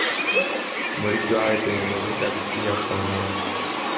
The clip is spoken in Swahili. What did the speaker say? Umiliki wa ardhi umeongezeka pia kwa wanawake